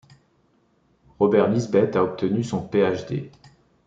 Robert Nisbet a obtenu son Ph.D.